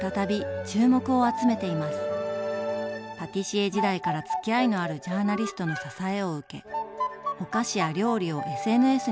パティシエ時代からつきあいのあるジャーナリストの支えを受けお菓子や料理をＳＮＳに投稿。